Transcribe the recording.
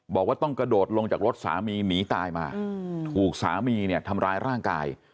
บอกว่าต้องกระโดดลงจากรถสามีหนีตายมาถูกสามีเนี่ยทำร้ายร่างกาย